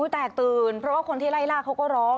แตกตื่นเพราะว่าคนที่ไล่ล่าเขาก็ร้อง